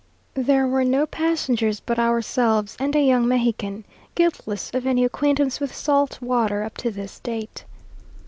There were no passengers but ourselves, and a young Mexican, guiltless of any acquaintance with salt water, up to this date.